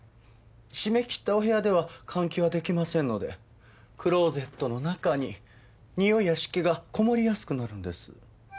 閉めきったお部屋では換気はできませんのでクローゼットの中に臭いや湿気がこもりやすくなるんです。